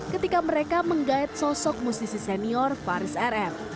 ketika mereka menggait sosok musisi senior faris rm